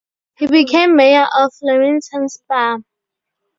He became mayor of Leamington Spa.